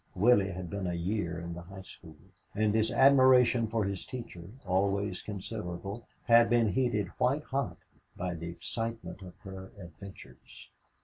Willie had been a year in the high school, and his admiration for his teacher, always considerable, had been heated white hot by the excitement of her adventures.